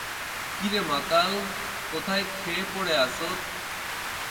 কিরে, মাতাল, কোথায় খেয়ে পরে আছোত?